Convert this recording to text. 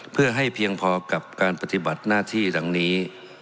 เพื่อให้เพียงพอกับการปฏิบัติหน้าที่ดังนี้